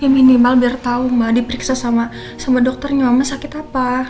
ya minimal biar tahu ma dipriksa sama dokternya mama sakit apa